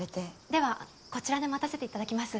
ではこちらで待たせて頂きます。